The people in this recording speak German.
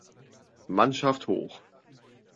Mannschaft hoch.